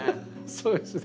そうですね。